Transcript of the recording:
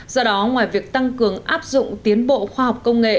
do đó ngoài việc tăng cường áp dụng tiến bộ khoa học công nghệ